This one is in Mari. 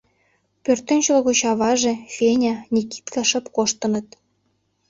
Пӧртӧнчыл гоч аваже, Феня, Никитка шып коштыныт.